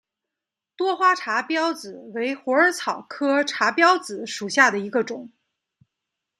多花茶藨子为虎耳草科茶藨子属下的一个种。